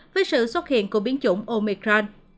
với sự xuất hiện của biến chủng omicron